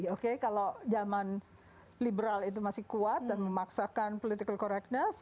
oke kalau zaman liberal itu masih kuat dan memaksakan political correctness